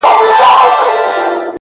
د چا غمو ته به ځواب نه وايو ـ